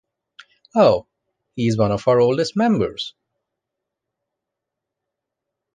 Oh, he is one of our oldest members.